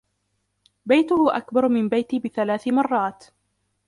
بيته أكبر من بيتي بثلاث مرات.